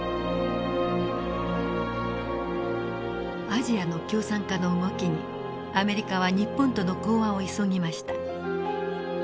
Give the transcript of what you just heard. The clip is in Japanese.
アジアの共産化の動きにアメリカは日本との講和を急ぎました。